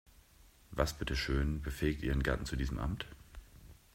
Was bitteschön befähigt ihren Gatten zu diesem Amt?